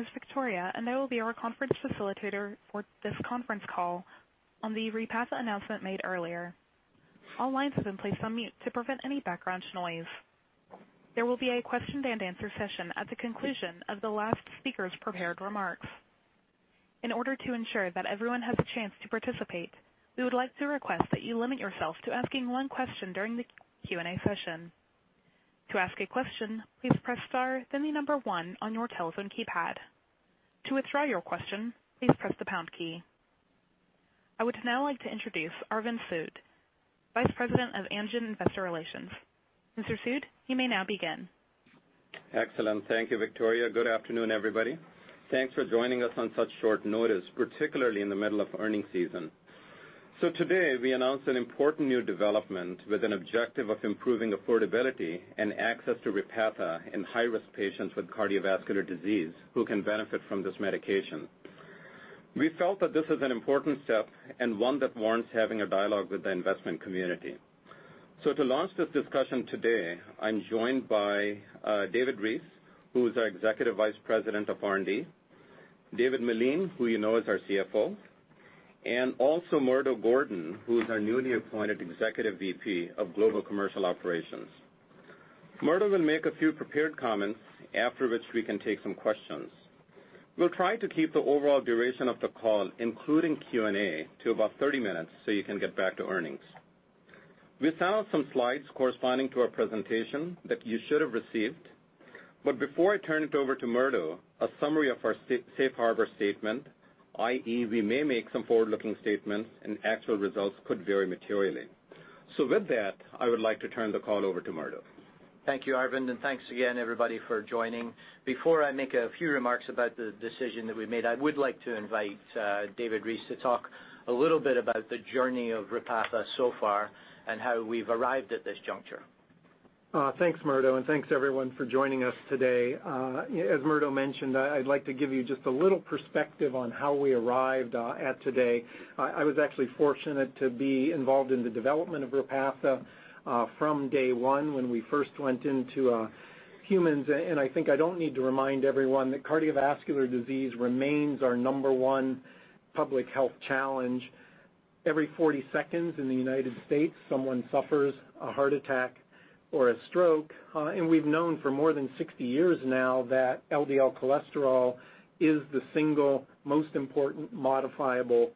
My name is Victoria. I will be our conference facilitator for this conference call on the Repatha announcement made earlier. All lines have been placed on mute to prevent any background noise. There will be a question-and-answer session at the conclusion of the last speaker's prepared remarks. In order to ensure that everyone has a chance to participate, we would like to request that you limit yourself to asking one question during the Q&A session. To ask a question, please press star, then the number one on your telephone keypad. To withdraw your question, please press the pound key. I would now like to introduce Arvind Sood, Vice President of Amgen Investor Relations. Mr. Sood, you may now begin. Excellent. Thank you, Victoria. Good afternoon, everybody. Thanks for joining us on such short notice, particularly in the middle of earning season. Today, we announced an important new development with an objective of improving affordability and access to Repatha in high-risk patients with cardiovascular disease who can benefit from this medication. We felt that this is an important step and one that warrants having a dialogue with the investment community. To launch this discussion today, I'm joined by David Reese, who is our Executive Vice President of R&D, David Meline, who you know as our CFO, and also Murdo Gordon, who is our newly appointed Executive VP of Global Commercial Operations. Murdo will make a few prepared comments, after which we can take some questions. We'll try to keep the overall duration of the call, including Q&A, to about 30 minutes, so you can get back to earnings. We found some slides corresponding to our presentation that you should have received. Before I turn it over to Murdo, a summary of our safe harbor statement, i.e., we may make some forward-looking statements, and actual results could vary materially. With that, I would like to turn the call over to Murdo. Thank you, Arvind, and thanks again everybody for joining. Before I make a few remarks about the decision that we made, I would like to invite David Reese to talk a little bit about the journey of Repatha so far and how we've arrived at this juncture. Thanks, Murdo, and thanks everyone for joining us today. As Murdo mentioned, I'd like to give you just a little perspective on how we arrived at today. I was actually fortunate to be involved in the development of Repatha from day one when we first went into humans. I think I don't need to remind everyone that cardiovascular disease remains our number one public health challenge. Every 40 seconds in the United States, someone suffers a heart attack or a stroke. We've known for more than 60 years now that LDL cholesterol is the single most important modifiable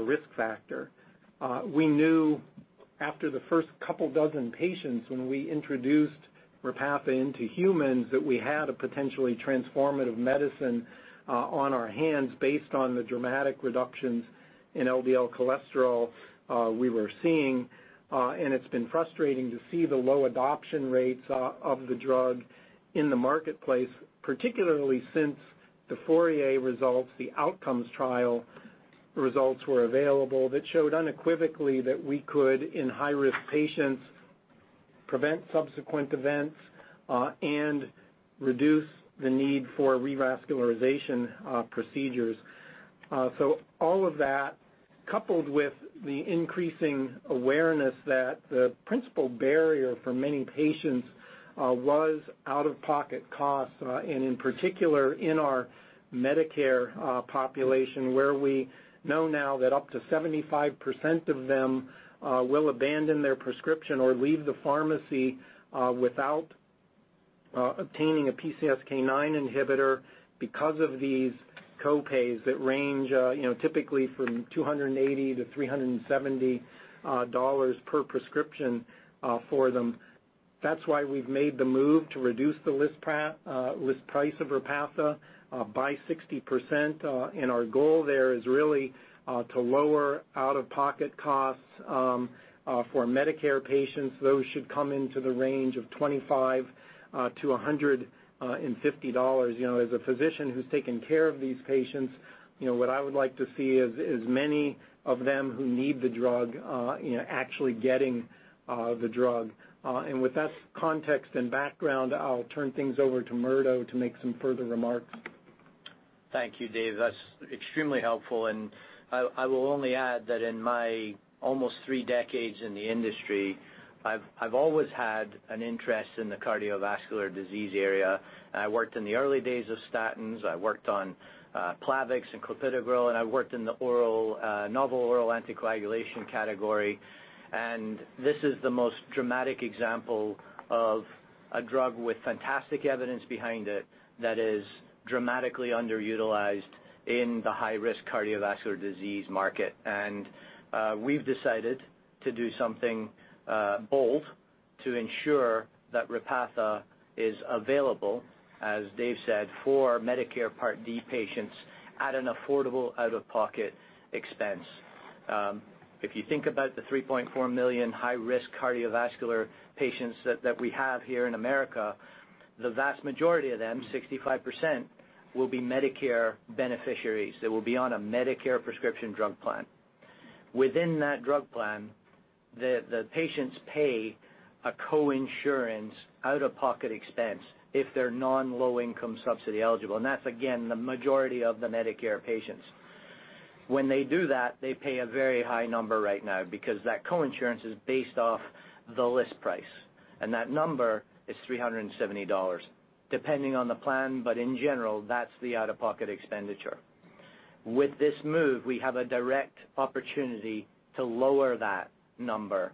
risk factor. We knew after the first couple dozen patients, when we introduced Repatha into humans, that we had a potentially transformative medicine on our hands based on the dramatic reductions in LDL cholesterol we were seeing. It's been frustrating to see the low adoption rates of the drug in the marketplace, particularly since the FOURIER results, the outcomes trial results were available that showed unequivocally that we could, in high-risk patients, prevent subsequent events, and reduce the need for revascularization procedures. All of that, coupled with the increasing awareness that the principal barrier for many patients was out-of-pocket costs, and in particular in our Medicare population, where we know now that up to 75% of them will abandon their prescription or leave the pharmacy without obtaining a PCSK9 inhibitor because of these co-pays that range typically from $280-$370 per prescription for them. That's why we've made the move to reduce the list price of Repatha by 60%, and our goal there is really to lower out-of-pocket costs for Medicare patients. Those should come into the range of $25-$150. As a physician who's taken care of these patients, what I would like to see is many of them who need the drug actually getting the drug. With that context and background, I'll turn things over to Murdo to make some further remarks. Thank you, Dave. That's extremely helpful. I will only add that in my almost three decades in the industry, I've always had an interest in the cardiovascular disease area. I worked in the early days of statins. I worked on Plavix and clopidogrel, and I worked in the novel oral anticoagulants category. This is the most dramatic example of a drug with fantastic evidence behind it that is dramatically underutilized in the high-risk cardiovascular disease market. We've decided to do something bold to ensure that Repatha is available, as Dave said, for Medicare Part D patients at an affordable out-of-pocket expense. If you think about the 3.4 million high-risk cardiovascular patients that we have here in America, the vast majority of them, 65%, will be Medicare beneficiaries. They will be on a Medicare prescription drug plan. Within that drug plan, the patients pay a co-insurance out-of-pocket expense if they're non-low-income subsidy eligible. That's, again, the majority of the Medicare patients. When they do that, they pay a very high number right now because that co-insurance is based off the list price, and that number is $370, depending on the plan. In general, that's the out-of-pocket expenditure. With this move, we have a direct opportunity to lower that number.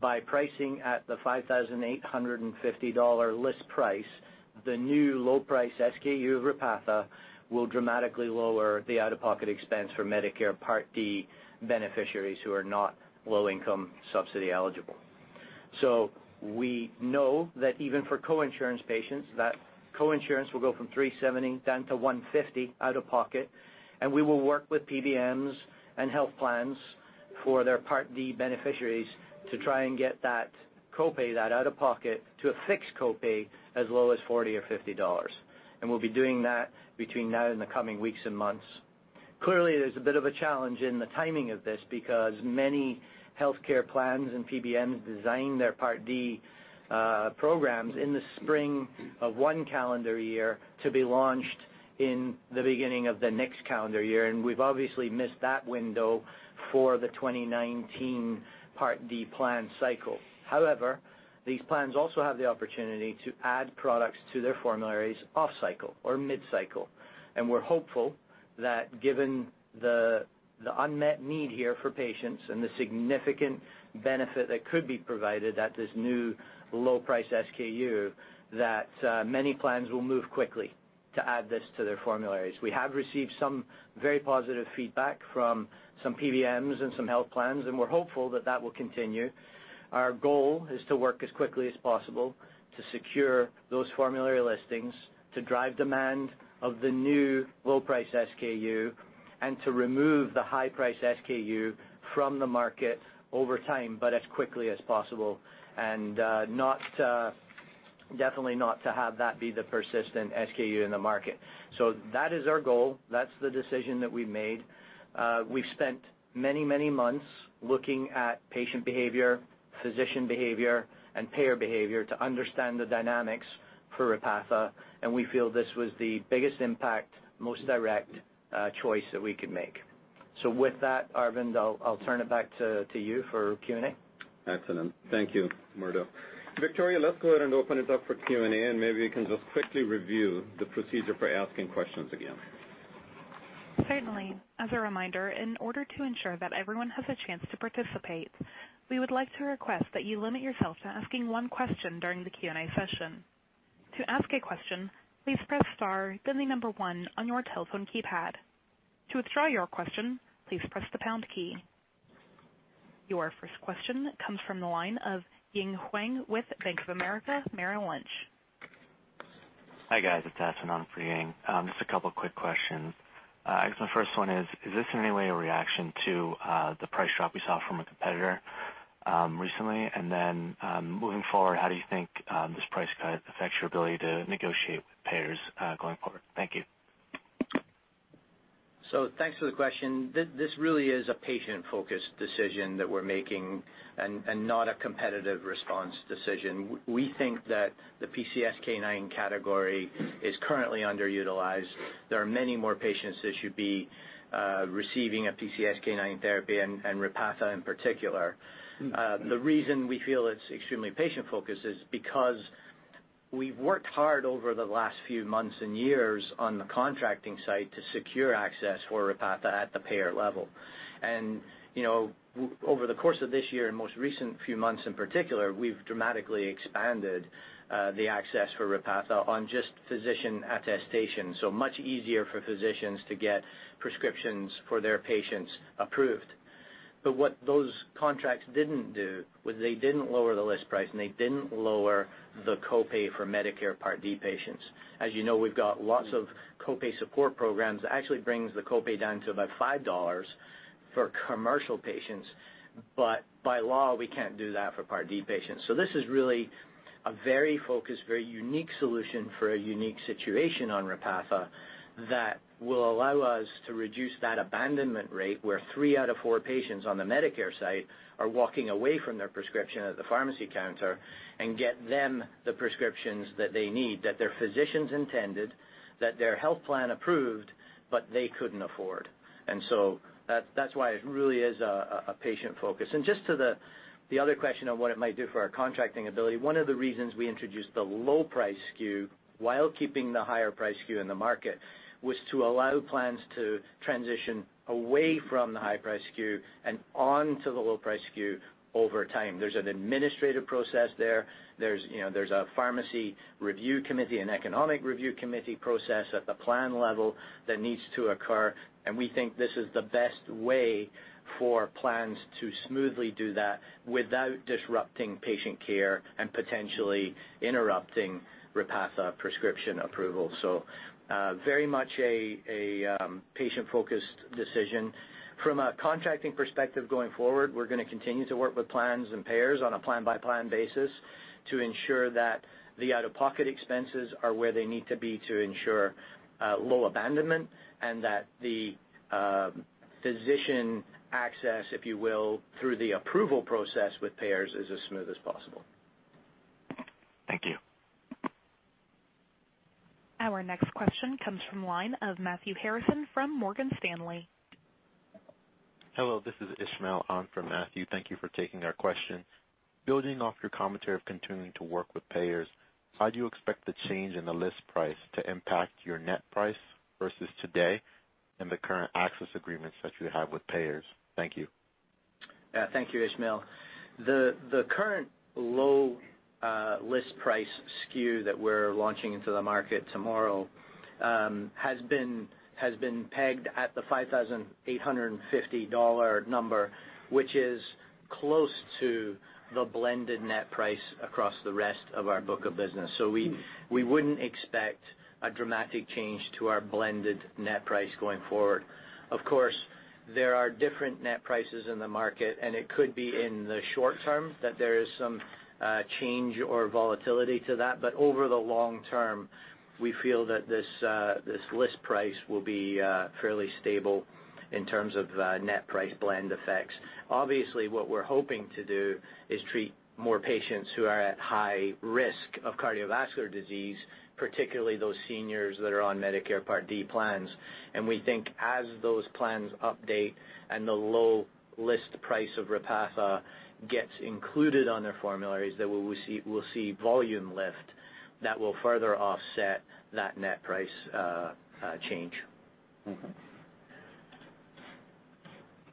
By pricing at the $5,850 list price, the new low price SKU Repatha will dramatically lower the out-of-pocket expense for Medicare Part D beneficiaries who are not low-income subsidy eligible. We know that even for co-insurance patients, that co-insurance will go from 370 down to 150 out-of-pocket. We will work with PBMs and health plans for their Part D beneficiaries to try and get that copay, that out-of-pocket, to a fixed copay as low as $40 or $50. We'll be doing that between now and the coming weeks and months. Clearly, there's a bit of a challenge in the timing of this because many healthcare plans and PBMs design their Part D programs in the spring of one calendar year to be launched in the beginning of the next calendar year. We've obviously missed that window for the 2019 Part D plan cycle. However, these plans also have the opportunity to add products to their formularies off cycle or mid-cycle. We're hopeful that given the unmet need here for patients and the significant benefit that could be provided at this new low price SKU, that many plans will move quickly to add this to their formularies. We have received some very positive feedback from some PBMs and some health plans. We're hopeful that that will continue. Our goal is to work as quickly as possible to secure those formulary listings, to drive demand of the new low price SKU, to remove the high price SKU from the market over time, but as quickly as possible, definitely not to have that be the persistent SKU in the market. That is our goal. That's the decision that we've made. We've spent many, many months looking at patient behavior, physician behavior, and payer behavior to understand the dynamics for Repatha. We feel this was the biggest impact, most direct choice that we could make. With that, Arvind, I'll turn it back to you for Q&A. Excellent. Thank you, Murdo. Victoria, let's go ahead and open it up for Q&A, and maybe you can just quickly review the procedure for asking questions again. Certainly. As a reminder, in order to ensure that everyone has a chance to participate, we would like to request that you limit yourself to asking one question during the Q&A session. To ask a question, please press star then the number one on your telephone keypad. To withdraw your question, please press the pound key. Your first question comes from the line of Ying Huang with Bank of America Merrill Lynch. Hi, guys. It's Tazeen. I'm for Ying. Just a couple of quick questions. I guess my first one is this in any way a reaction to the price drop we saw from a competitor recently? Moving forward, how do you think this price cut affects your ability to negotiate with payers going forward? Thank you. Thanks for the question. This really is a patient-focused decision that we're making and not a competitive response decision. We think that the PCSK9 category is currently underutilized. There are many more patients that should be receiving a PCSK9 therapy and Repatha in particular. The reason we feel it's extremely patient-focused is because we've worked hard over the last few months and years on the contracting side to secure access for Repatha at the payer level. Over the course of this year, and most recent few months in particular, we've dramatically expanded the access for Repatha on just physician attestation, so much easier for physicians to get prescriptions for their patients approved. What those contracts didn't do was they didn't lower the list price, and they didn't lower the copay for Medicare Part D patients. We've got lots of copay support programs that actually brings the copay down to about $5 for commercial patients. By law, we can't do that for Part D patients. This is really a very focused, very unique solution for a unique situation on Repatha that will allow us to reduce that abandonment rate where three out of four patients on the Medicare side are walking away from their prescription at the pharmacy counter and get them the prescriptions that they need, that their physicians intended, that their health plan approved, but they couldn't afford. That's why it really is patient-focused. Just to the other question on what it might do for our contracting ability, one of the reasons we introduced the low price SKU while keeping the higher price SKU in the market was to allow plans to transition away from the high price SKU and onto the low price SKU over time. There's an administrative process there. There's a pharmacy review committee and economic review committee process at the plan level that needs to occur, and we think this is the best way for plans to smoothly do that without disrupting patient care and potentially interrupting Repatha prescription approval. Very much a patient-focused decision. From a contracting perspective going forward, we're going to continue to work with plans and payers on a plan-by-plan basis to ensure that the out-of-pocket expenses are where they need to be to ensure low abandonment and that the physician access, if you will, through the approval process with payers is as smooth as possible. Thank you. Our next question comes from the line of Matthew Harrison from Morgan Stanley. Hello, this is Ishmael. I'm from Matthew. Thank you for taking our question. Building off your commentary of continuing to work with payers, how do you expect the change in the list price to impact your net price versus today and the current access agreements that you have with payers? Thank you. Yeah, thank you, Ishmael. The current low list price SKU that we're launching into the market tomorrow has been pegged at the $5,850 number, which is close to the blended net price across the rest of our book of business. We wouldn't expect a dramatic change to our blended net price going forward. Of course, there are different net prices in the market, and it could be in the short term that there is some change or volatility to that. Over the long term, we feel that this list price will be fairly stable in terms of net price blend effects. Obviously, what we're hoping to do is treat more patients who are at high risk of cardiovascular disease, particularly those seniors that are on Medicare Part D plans. We think as those plans update and the low list price of Repatha gets included on their formularies, that we'll see volume lift that will further offset that net price change. Mm-hmm.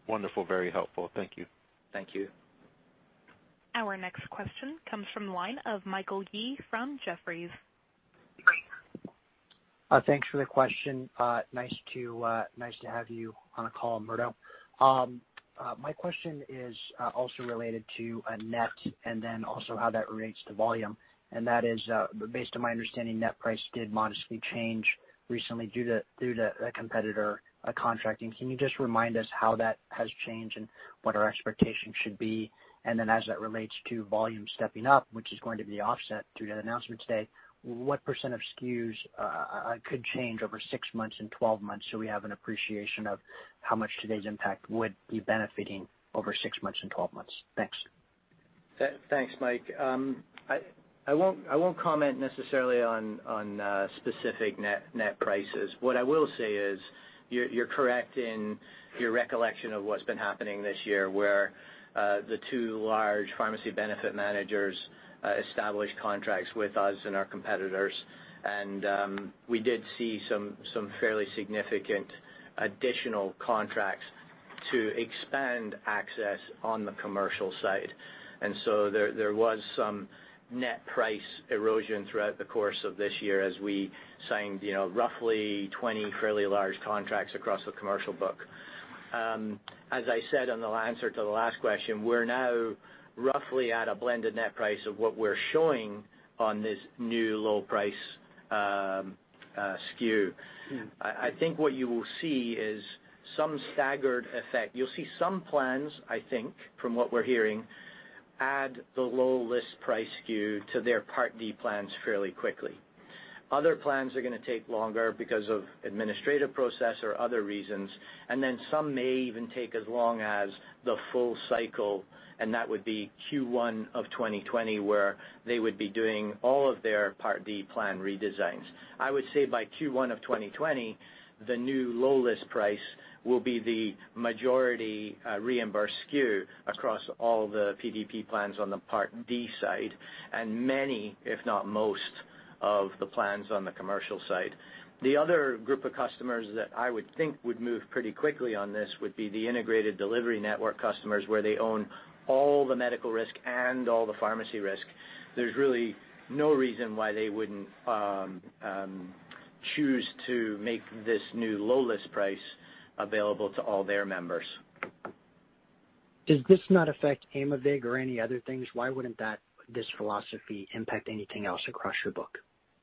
Wonderful. Very helpful. Thank you. Thank you. Our next question comes from the line of Michael Yee from Jefferies. Thanks for the question. Nice to have you on a call, Murdo. My question is also related to net and then also how that relates to volume, and that is, based on my understanding, net price did modestly change recently due to a competitor contracting. Can you just remind us how that has changed and what our expectations should be? Then as that relates to volume stepping up, which is going to be offset through the announcement today, what percent of SKUs could change over six months and 12 months so we have an appreciation of how much today's impact would be benefiting over six months and 12 months? Thanks. Thanks, Mike. I won't comment necessarily on specific net prices. What I will say is, you're correct in your recollection of what's been happening this year, where the two large pharmacy benefit managers established contracts with us and our competitors, we did see some fairly significant additional contracts to expand access on the commercial side. There was some net price erosion throughout the course of this year as we signed roughly 20 fairly large contracts across the commercial book. As I said on the answer to the last question, we're now roughly at a blended net price of what we're showing on this new low price SKU. I think what you will see is some staggered effect. You'll see some plans, I think, from what we're hearing, add the low list price SKU to their Part D plans fairly quickly. Other plans are going to take longer because of administrative process or other reasons. Some may even take as long as the full cycle, that would be Q1 of 2020, where they would be doing all of their Part D plan redesigns. I would say by Q1 of 2020, the new low list price will be the majority reimbursed SKU across all the PDP plans on the Part D side and many, if not most, of the plans on the commercial side. The other group of customers that I would think would move pretty quickly on this would be the integrated delivery network customers, where they own all the medical risk and all the pharmacy risk. There's really no reason why they wouldn't choose to make this new low list price available to all their members. Does this not affect Aimovig or any other things? Why wouldn't this philosophy impact anything else across your book?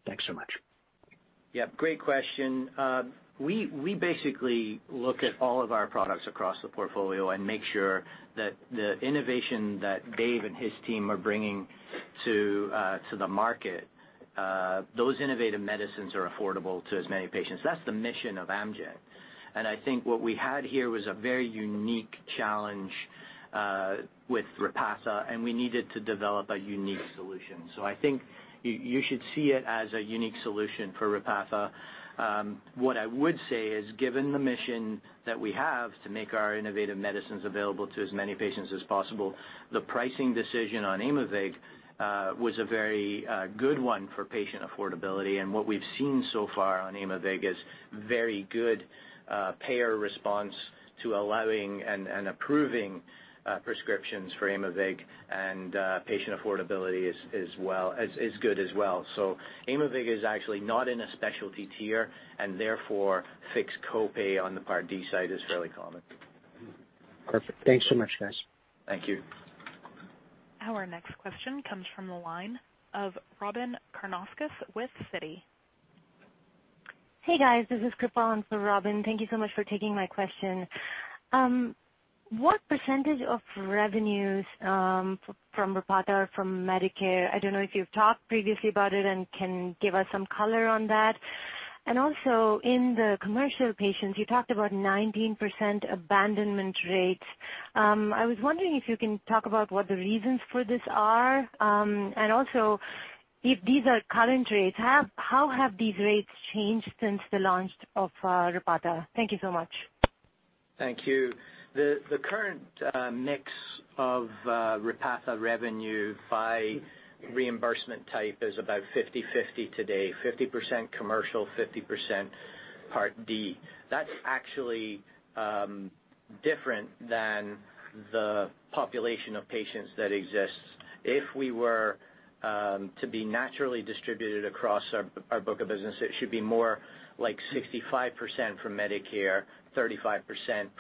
Thanks so much. Yeah, great question. We basically look at all of our products across the portfolio and make sure that the innovation that Dave and his team are bringing to the market, those innovative medicines are affordable to as many patients. That's the mission of Amgen. I think what we had here was a very unique challenge with Repatha, we needed to develop a unique solution. I think you should see it as a unique solution for Repatha. What I would say is, given the mission that we have to make our innovative medicines available to as many patients as possible, the pricing decision on Aimovig was a very good one for patient affordability. What we've seen so far on Aimovig is very good payer response to allowing and approving prescriptions for Aimovig and patient affordability is good as well. Aimovig is actually not in a specialty tier and therefore fixed co-pay on the Part D side is fairly common. Perfect. Thanks so much, guys. Thank you. Our next question comes from the line of Robyn Karnauskas with Citi. Hey, guys. This is Krupal for Robyn. Thank you so much for taking my question. What % of revenues from Repatha are from Medicare? I don't know if you've talked previously about it and can give us some color on that. Also in the commercial patients, you talked about 19% abandonment rates. I was wondering if you can talk about what the reasons for this are, and also if these are current rates, how have these rates changed since the launch of Repatha? Thank you so much. Thank you. The current mix of Repatha revenue by reimbursement type is about 50/50 today, 50% commercial, 50% Part D. That's actually different than the population of patients that exists. If we were to be naturally distributed across our book of business, it should be more like 65% from Medicare, 35%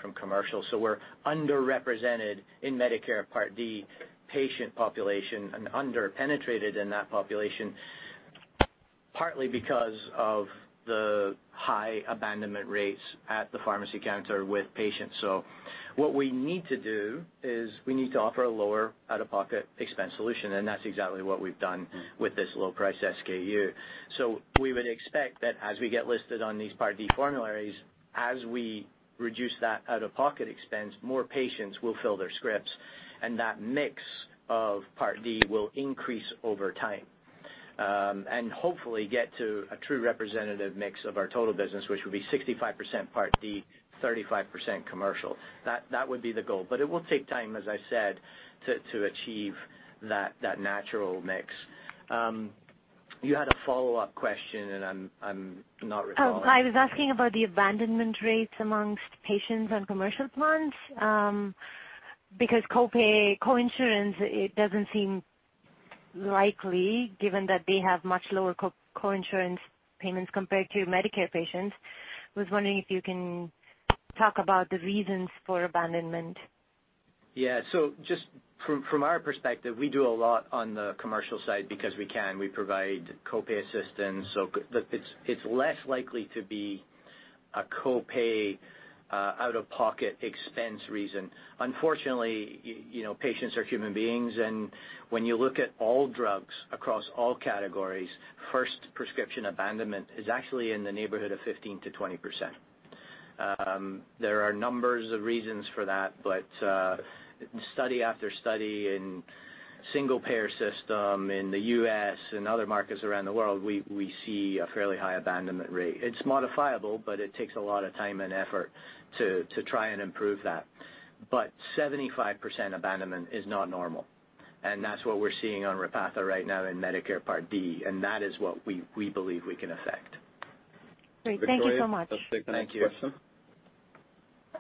from commercial. We're underrepresented in Medicare Part D patient population and under-penetrated in that population, partly because of the high abandonment rates at the pharmacy counter with patients. What we need to do is we need to offer a lower out-of-pocket expense solution, and that's exactly what we've done with this low price SKU. We would expect that as we get listed on these Part D formularies, as we reduce that out-of-pocket expense, more patients will fill their scripts, and that mix of Part D will increase over time. Hopefully get to a true representative mix of our total business, which will be 65% Part D, 35% commercial. That would be the goal. It will take time, as I said, to achieve that natural mix. You had a follow-up question, and I'm not recalling. I was asking about the abandonment rates amongst patients on commercial plans. Co-pay, co-insurance, it doesn't seem likely, given that they have much lower co-insurance payments compared to Medicare patients. I was wondering if you can talk about the reasons for abandonment. Yeah. Just from our perspective, we do a lot on the commercial side because we can. We provide co-pay assistance, so it's less likely to be a co-pay out-of-pocket expense reason. Unfortunately, patients are human beings, and when you look at all drugs across all categories, first prescription abandonment is actually in the neighborhood of 15%-20%. There are numbers of reasons for that, but study after study in single-payer system in the U.S. and other markets around the world, we see a fairly high abandonment rate. It's modifiable, but it takes a lot of time and effort to try and improve that. 75% abandonment is not normal, and that's what we're seeing on Repatha right now in Medicare Part D. That is what we believe we can affect. Great. Thank you so much. Thank you.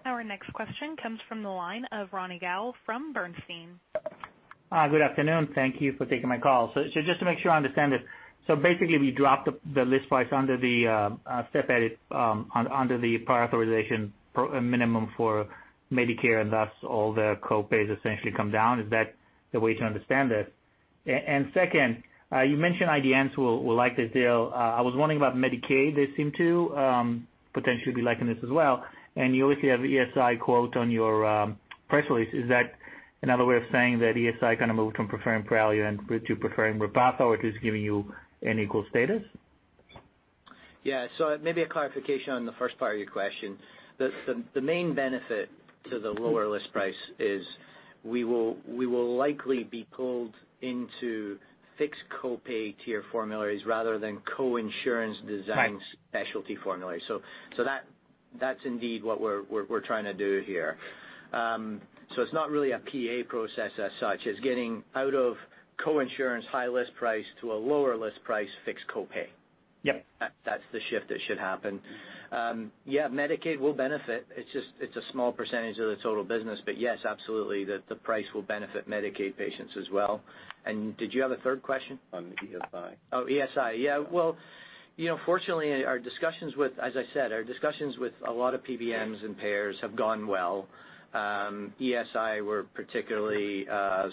Our next question comes from the line of Ronny Gal from Bernstein. Hi. Good afternoon. Thank you for taking my call. Just to make sure I understand this. Basically, we dropped the list price under the step edit under the prior authorization minimum for Medicare, and thus all the co-pays essentially come down. Is that the way to understand it? Second, you mentioned IDNs will like this deal. I was wondering about Medicaid. They seem to potentially be liking this as well, and you obviously have ESI quote on your press release. Is that another way of saying that ESI moved from preferring Praluent to preferring Repatha, or it is giving you an equal status? Yeah. Maybe a clarification on the first part of your question. The main benefit to the lower list price is we will likely be pulled into fixed co-pay tier formularies rather than co-insurance design- Right Specialty formularies. That's indeed what we're trying to do here. It's not really a PA process as such. It's getting out of co-insurance high list price to a lower list price fixed co-pay. Yep. That's the shift that should happen. Yeah, Medicaid will benefit. It's a small percentage of the total business, but yes, absolutely, the price will benefit Medicaid patients as well. Did you have a third question? On ESI. Oh, ESI. Yeah. Well, fortunately, as I said, our discussions with a lot of PBMs and payers have gone well. ESI were particularly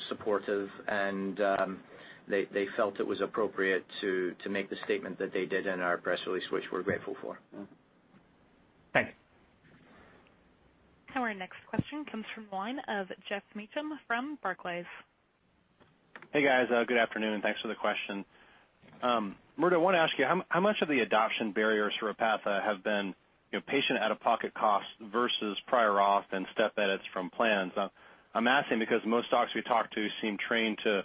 supportive, and they felt it was appropriate to make the statement that they did in our press release, which we're grateful for. Thank you. Our next question comes from the line of Geoff Meacham from Barclays. Hey, guys. Good afternoon. Thanks for the question. Murdo, I want to ask you, how much of the adoption barriers for Repatha have been patient out-of-pocket costs versus prior auth and step edits from plans? I'm asking because most docs we talk to seem trained to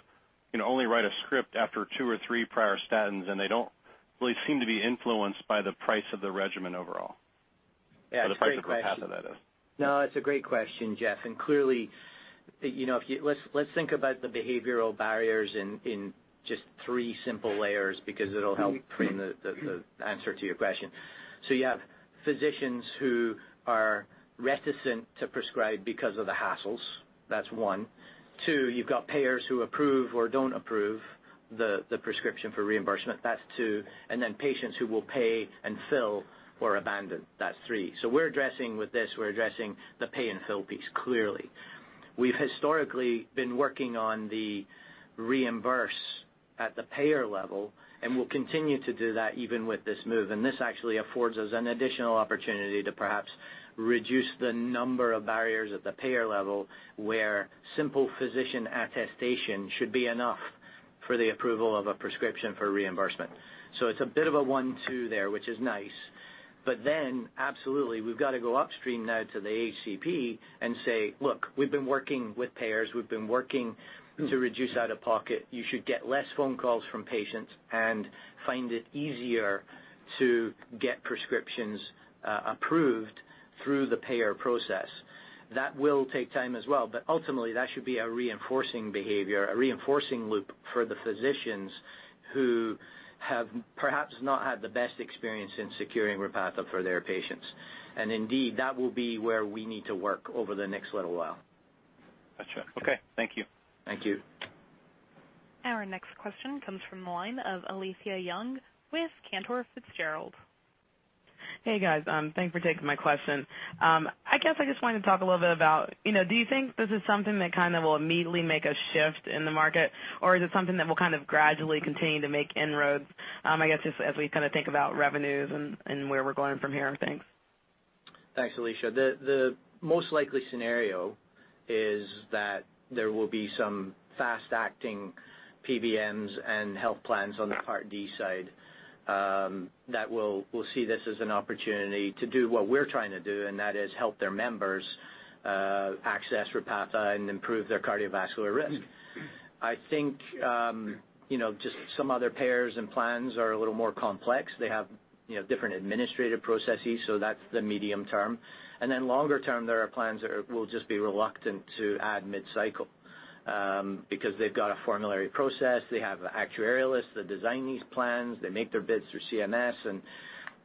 only write a script after two or three prior statins, they don't really seem to be influenced by the price of the regimen overall. Yeah, it's a great question. The price of Repatha, that is. It's a great question, Geoff, clearly let's think about the behavioral barriers in just 3 simple layers because it'll help frame the answer to your question. You have physicians who are reticent to prescribe because of the hassles. That's 1. Two, you've got payers who approve or don't approve the prescription for reimbursement. That's 2. Patients who will pay and fill or abandon. That's 3. We're addressing with this, we're addressing the pay and fill piece, clearly. We've historically been working on the reimburse at the payer level, and we'll continue to do that even with this move. This actually affords us an additional opportunity to perhaps reduce the number of barriers at the payer level, where simple physician attestation should be enough for the approval of a prescription for reimbursement. It's a bit of a one-two there, which is nice. Absolutely, we've got to go upstream now to the HCP and say, "Look, we've been working with payers. We've been working to reduce out-of-pocket. You should get less phone calls from patients and find it easier to get prescriptions approved through the payer process." That will take time as well. Ultimately, that should be a reinforcing behavior, a reinforcing loop for the physicians who have perhaps not had the best experience in securing Repatha for their patients. Indeed, that will be where we need to work over the next little while. Got you. Okay. Thank you. Thank you. Our next question comes from the line of Alethia Young with Cantor Fitzgerald. Hey, guys. Thanks for taking my question. I guess I just wanted to talk a little bit about, do you think this is something that kind of will immediately make a shift in the market, or is it something that will kind of gradually continue to make inroads, I guess, as we kind of think about revenues and where we're going from here? Thanks. Thanks, Alethia. The most likely scenario is that there will be some fast-acting PBMs and health plans on the Part D side that will see this as an an opportunity to do what we're trying to do, and that is help their members access Repatha and improve their cardiovascular risk. That's the medium term. Longer term, there are plans that will just be reluctant to add mid-cycle because they've got a formulary process. They have actuarialists that design these plans. They make their bids through CMS, and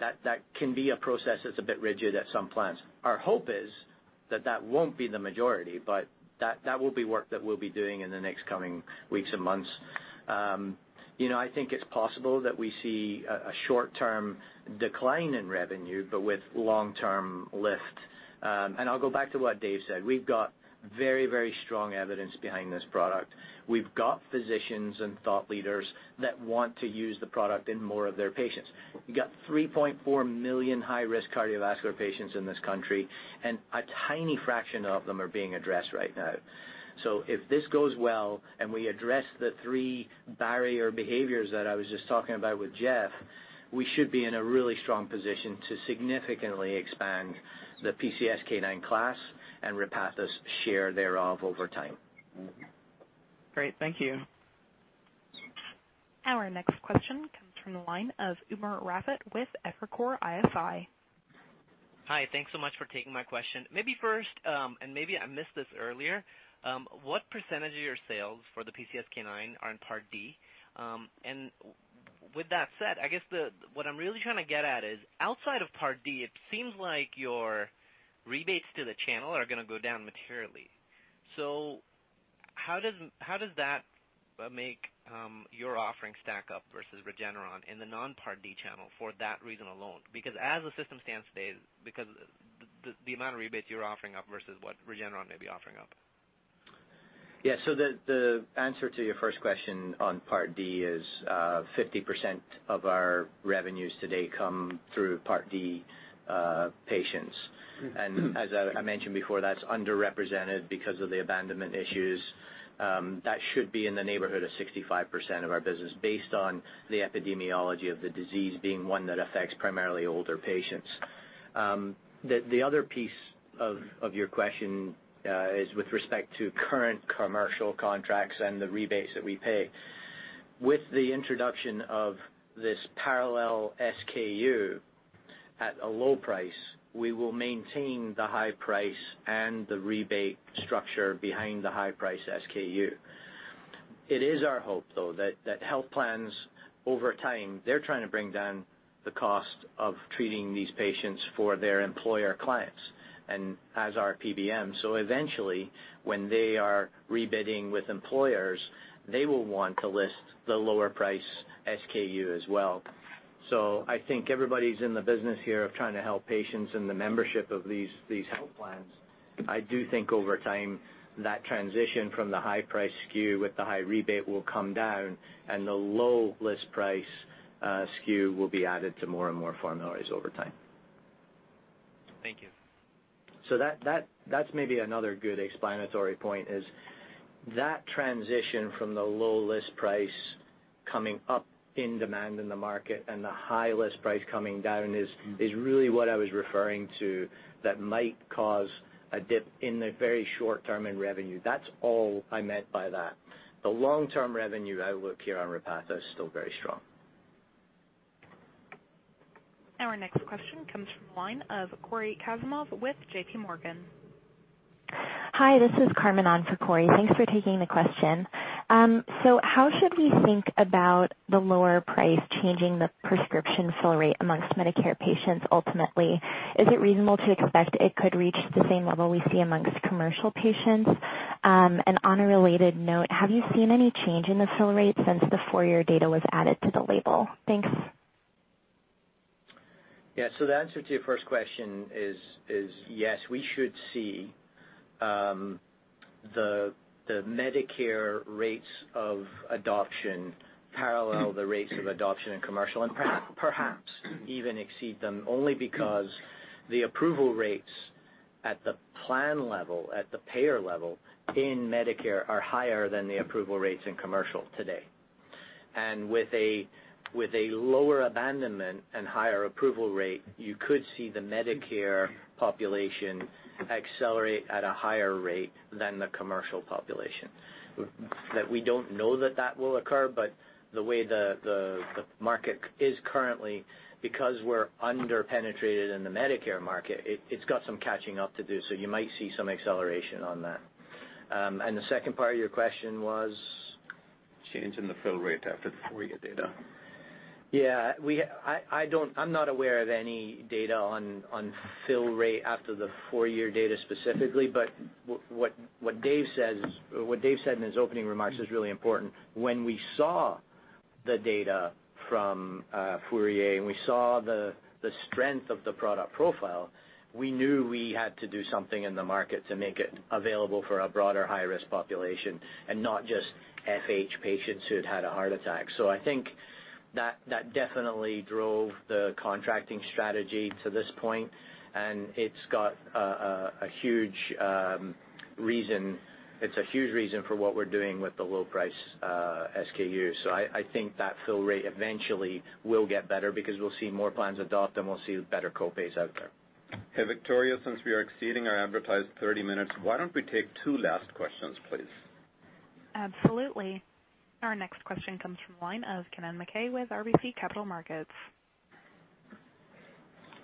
that can be a process that's a bit rigid at some plans. Our hope is that that won't be the majority, but that will be work that we'll be doing in the next coming weeks and months. I think it's possible that we see a short-term decline in revenue with long-term lift. I'll go back to what Dave said. We've got very strong evidence behind this product. We've got physicians and thought leaders that want to use the product in more of their patients. We got 3.4 million high-risk cardiovascular patients in this country, and a tiny fraction of them are being addressed right now. If this goes well and we address the three barrier behaviors that I was just talking about with Geoff, we should be in a really strong position to significantly expand the PCSK9 class and Repatha's share thereof over time. Great. Thank you. Our next question comes from the line of Umer Raffat with Evercore ISI. Hi. Thanks so much for taking my question. Maybe first, and maybe I missed this earlier, what percentage of your sales for the PCSK9 are in Part D? With that said, I guess what I'm really trying to get at is outside of Part D, it seems like your rebates to the channel are going to go down materially. How does that make your offering stack up versus Regeneron in the non-Part D channel for that reason alone? As the system stands today, because the amount of rebates you're offering up versus what Regeneron may be offering up. Yeah. The answer to your first question on Part D is 50% of our revenues today come through Part D patients. As I mentioned before, that's underrepresented because of the abandonment issues. That should be in the neighborhood of 65% of our business based on the epidemiology of the disease being one that affects primarily older patients. The other piece of your question is with respect to current commercial contracts and the rebates that we pay. With the introduction of this parallel SKU at a low price, we will maintain the high price and the rebate structure behind the high price SKU. It is our hope, though, that health plans over time, they're trying to bring down the cost of treating these patients for their employer clients and as our PBM. Eventually, when they are rebidding with employers, they will want to list the lower price SKU as well. I think everybody's in the business here of trying to help patients and the membership of these health plans. I do think over time that transition from the high price SKU with the high rebate will come down and the low list price SKU will be added to more and more formularies over time. Thank you. That's maybe another good explanatory point is that transition from the low list price coming up in demand in the market and the high list price coming down is really what I was referring to that might cause a dip in the very short term in revenue. That's all I meant by that. The long-term revenue outlook here on Repatha is still very strong. Our next question comes from the line of Cory Kasimov with JPMorgan. Hi, this is Carmen on for Cory. Thanks for taking the question. How should we think about the lower price changing the prescription fill rate amongst Medicare patients ultimately? Is it reasonable to expect it could reach the same level we see amongst commercial patients? On a related note, have you seen any change in the fill rate since the FOURIER data was added to the label? Thanks. Yeah. The answer to your first question is yes, we should see the Medicare rates of adoption parallel the rates of adoption in commercial and perhaps even exceed them, only because the approval rates at the plan level, at the payer level in Medicare are higher than the approval rates in commercial today. With a lower abandonment and higher approval rate, you could see the Medicare population accelerate at a higher rate than the commercial population. We don't know that that will occur, but the way the market is currently, because we're under-penetrated in the Medicare market, it's got some catching up to do. You might see some acceleration on that. The second part of your question was? Changing the fill rate after the FOURIER data. Yeah. I'm not aware of any data on fill rate after the FOURIER data specifically, but what Dave said in his opening remarks is really important. When we saw the data from FOURIER and we saw the strength of the product profile, we knew we had to do something in the market to make it available for a broader high-risk population and not just FH patients who'd had a heart attack. I think that definitely drove the contracting strategy to this point, and it's a huge reason for what we're doing with the low price SKUs. I think that fill rate eventually will get better because we'll see more plans adopt and we'll see better co-pays out there. Hey, Victoria, since we are exceeding our advertised 30 minutes, why don't we take two last questions, please? Absolutely. Our next question comes from the line of Kennen MacKay with RBC Capital Markets.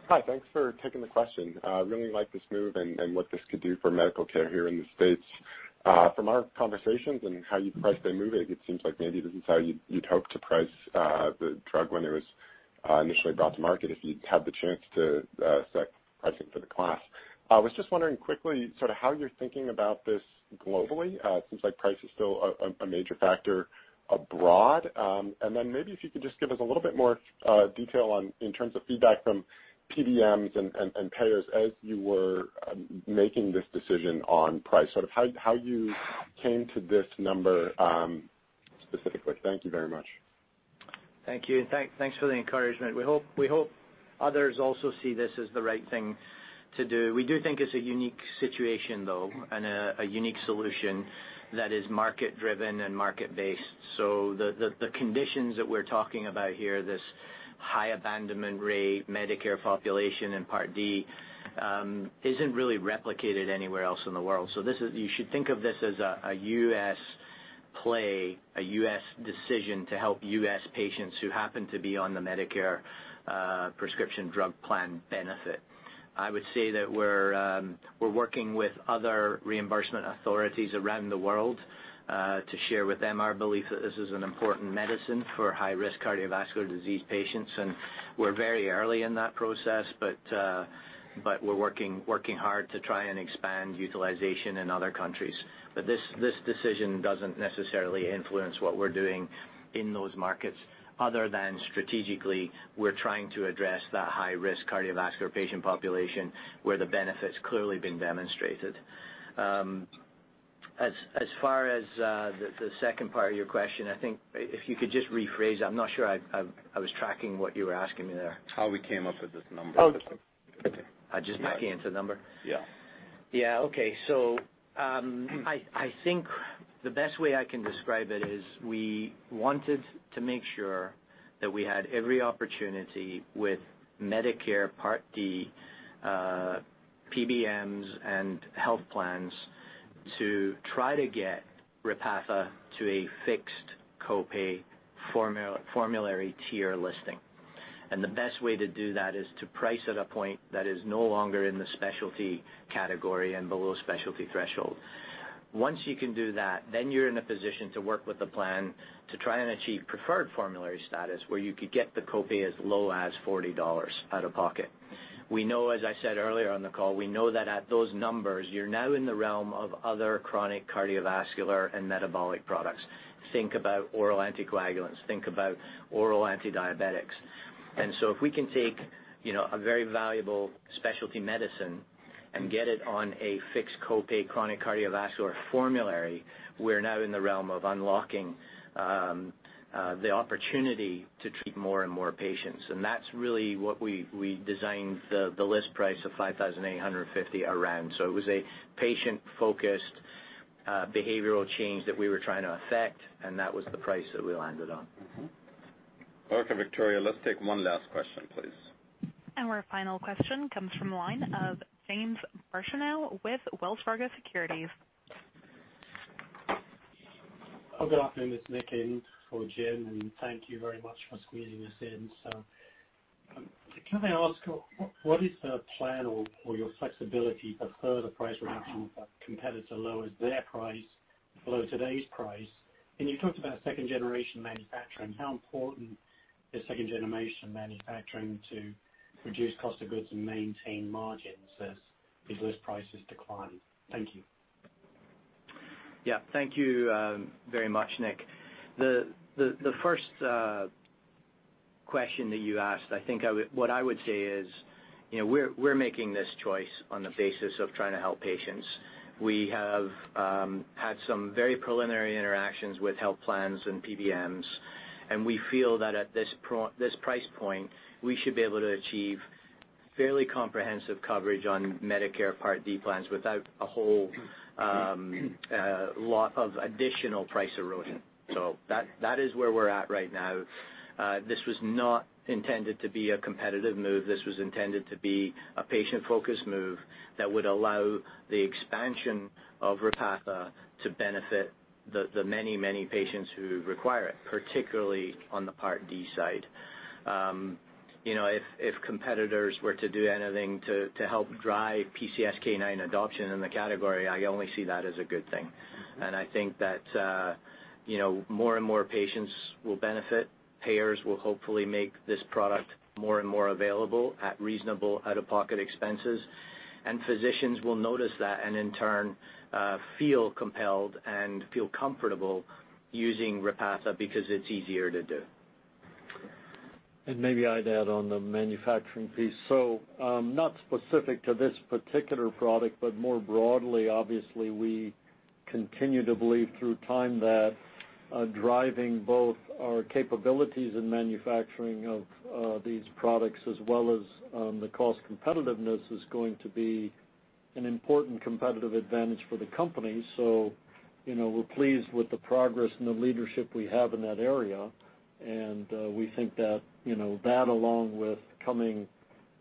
Hi. Thanks for taking the question. I really like this move and what this could do for medical care here in the U.S. From our conversations and how you priced Aimovig, it seems like maybe this is how you'd hope to price the drug when it was initially brought to market, if you had the chance to set pricing for the class. I was just wondering quickly sort of how you're thinking about this globally. Maybe if you could just give us a little bit more detail in terms of feedback from PBMs and payers as you were making this decision on price, sort of how you came to this number, specifically. Thank you very much. Thank you. Thanks for the encouragement. We hope others also see this as the right thing to do. We do think it's a unique situation, though, and a unique solution that is market driven and market based. The conditions that we're talking about here, this high abandonment rate Medicare population in Part D, isn't really replicated anywhere else in the world. You should think of this as a U.S. play, a U.S. decision to help U.S. patients who happen to be on the Medicare prescription drug plan benefit. I would say that we're working with other reimbursement authorities around the world, to share with them our belief that this is an important medicine for high-risk cardiovascular disease patients. We're very early in that process, we're working hard to try and expand utilization in other countries. This decision doesn't necessarily influence what we're doing in those markets other than strategically, we're trying to address that high-risk cardiovascular patient population where the benefit's clearly been demonstrated. As far as the second part of your question, I think if you could just rephrase. I'm not sure I was tracking what you were asking me there. How we came up with this number? Oh. Okay. Just backing into the number? Yeah. Yeah. Okay. I think the best way I can describe it is we wanted to make sure that we had every opportunity with Medicare Part D, PBMs, and health plans to try to get Repatha to a fixed co-pay formulary tier listing. The best way to do that is to price at a point that is no longer in the specialty category and below specialty threshold. Once you can do that, you're in a position to work with the plan to try and achieve preferred formulary status, where you could get the copay as low as $40 out of pocket. As I said earlier on the call, we know that at those numbers, you're now in the realm of other chronic cardiovascular and metabolic products. Think about oral anticoagulants. Think about oral antidiabetics. If we can take a very valuable specialty medicine and get it on a fixed co-pay chronic cardiovascular formulary, we're now in the realm of unlocking the opportunity to treat more and more patients. That's really what we designed the list price of $5,850 around. It was a patient-focused behavioral change that we were trying to affect, and that was the price that we landed on. Okay, Victoria, let's take one last question, please. Our final question comes from the line of Jim Birchenough with Wells Fargo Securities. Good afternoon. It's Nick in for Jim, and thank you very much for squeezing us in. Can I ask, what is the plan or your flexibility for further price reduction if a competitor lowers their price below today's price? You talked about second-generation manufacturing. How important is second-generation manufacturing to reduce cost of goods and maintain margins as list prices decline? Thank you. Thank you very much, Nick. The first question that you asked, I think what I would say is we're making this choice on the basis of trying to help patients. We have had some very preliminary interactions with health plans and PBMs, and we feel that at this price point, we should be able to achieve fairly comprehensive coverage on Medicare Part D plans without a whole lot of additional price erosion. That is where we're at right now. This was not intended to be a competitive move. This was intended to be a patient-focused move that would allow the expansion of Repatha to benefit the many, many patients who require it, particularly on the Part D side. If competitors were to do anything to help drive PCSK9 adoption in the category, I only see that as a good thing. I think that more and more patients will benefit. Payers will hopefully make this product more and more available at reasonable out-of-pocket expenses, and physicians will notice that and in turn, feel compelled and feel comfortable using Repatha because it's easier to do. Maybe I'd add on the manufacturing piece. Not specific to this particular product, but more broadly, obviously, we continue to believe through time that driving both our capabilities in manufacturing of these products as well as the cost competitiveness is going to be an important competitive advantage for the company. We're pleased with the progress and the leadership we have in that area. We think that along with coming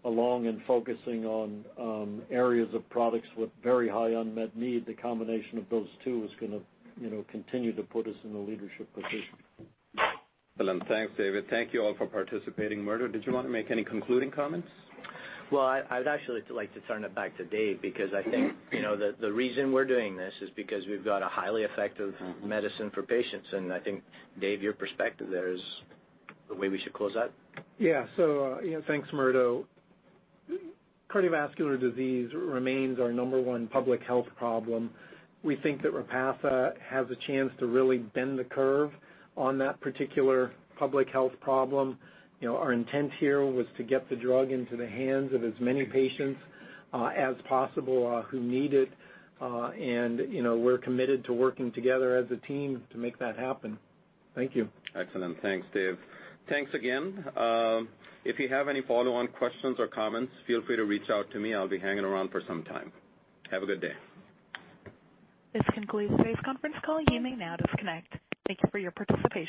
along and focusing on areas of products with very high unmet need, the combination of those two is going to continue to put us in the leadership position. Excellent. Thanks, David. Thank you all for participating. Murdo, did you want to make any concluding comments? Well, I'd actually like to turn it back to Dave, because I think the reason we're doing this is because we've got a highly effective medicine for patients. I think, Dave, your perspective there is the way we should close out. Yeah. Thanks, Murdo. Cardiovascular disease remains our number 1 public health problem. We think that Repatha has a chance to really bend the curve on that particular public health problem. Our intent here was to get the drug into the hands of as many patients as possible who need it. We're committed to working together as a team to make that happen. Thank you. Excellent. Thanks, Dave. Thanks again. If you have any follow-on questions or comments, feel free to reach out to me. I'll be hanging around for some time. Have a good day. This concludes today's conference call. You may now disconnect. Thank you for your participation.